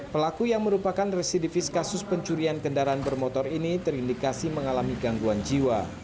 pelaku yang merupakan residivis kasus pencurian kendaraan bermotor ini terindikasi mengalami gangguan jiwa